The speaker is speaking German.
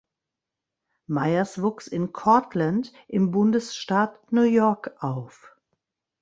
Meyers wuchs in Cortlandt im Bundesstaat New York auf.